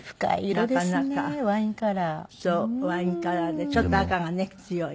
ワインカラーでちょっと赤がね強い。